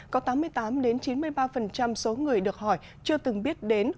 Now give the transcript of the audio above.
có tám mươi tám chín mươi ba số người được hỏi chưa từng biết đến